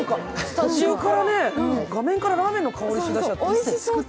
途中から画面からラーメンの香りしてきちゃって。